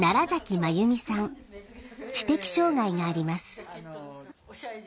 知的障害があります。